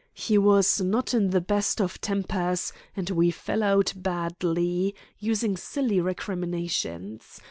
He was not in the best of tempers, and we fell out badly, using silly recriminations.